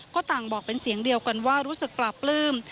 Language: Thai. ก็ต่างบอกเป็นเสียงเดียวกันว่ารู้สึกปลาปลื้ม